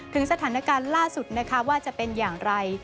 ถึงสถานการณ์ล่าสุดนะคะว่าจะเป็นอย่างไร